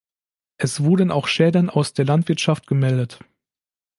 Es wurden auch Schäden aus der Landwirtschaft gemeldet.